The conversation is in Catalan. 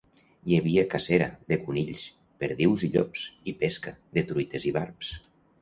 Hi havia cacera, de conills, perdius i llops, i pesca, de truites i barbs.